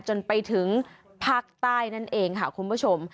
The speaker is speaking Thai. จนไปถึงภาคใต้นั่นเองค่ะคุณผู้ชม